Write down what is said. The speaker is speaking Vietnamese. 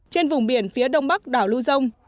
trên vùng biển phía đông bắc đảo lưu dông